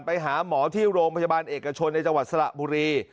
ไปหาหมอที่โรงพยาบาลเอกชนในจังหวัดสระบุรี